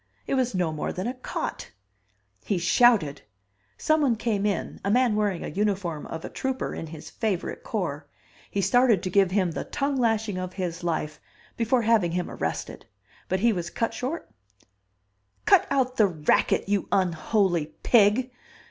It was no more than a cot! He shouted. Someone came in, a man wearing a uniform of a trooper in his favorite corps. He started to give him the tongue lashing of his life, before having him arrested. But he was cut short. "Cut out the racket, you unholy pig!"